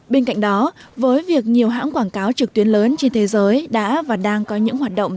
bên cạnh đó với việc nhiều hãng quảng cáo trực tuyến lớn trên thế giới đã và đang có những hoạt động